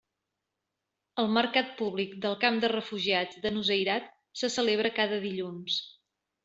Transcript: El mercat públic del camp de refugiats de Nuseirat se celebra cada dilluns.